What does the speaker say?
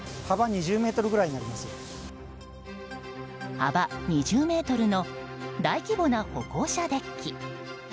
幅２０ｍの大規模な歩行者デッキ。